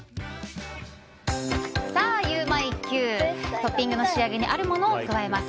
トッピングの仕上げにあるものを加えます。